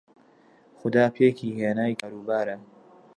خودا پێکی هێنای کار و بارە